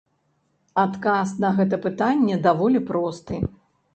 Адказ на гэта пытанне даволі просты.